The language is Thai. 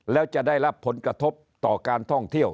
แล้วจะได้รับผลกระทบต่อการท่องเที่ยว